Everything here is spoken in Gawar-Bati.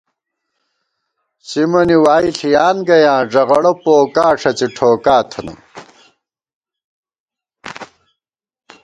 سِمَنی وائی ݪِیان گَیاں ، ݫغڑہ پوکا ݭڅی ٹھوکا تھنہ